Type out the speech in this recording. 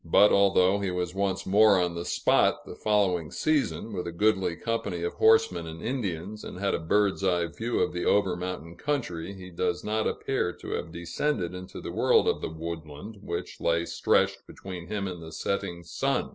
but although he was once more on the spot the following season, with a goodly company of horsemen and Indians, and had a bird's eye view of the over mountain country, he does not appear to have descended into the world of woodland which lay stretched between him and the setting sun.